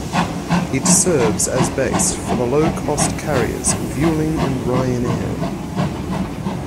It serves as base for the low cost carriers Vueling and Ryanair.